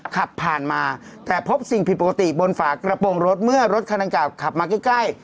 ขับผ่านมาแต่พบสิ่งผิดปกติบนฝากระโปรงรถเมื่อรถคันดังกล่าวขับมาใกล้